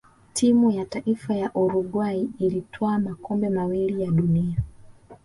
timu ya taifa ya uruguay ilitwaa makombe mawili ya duniani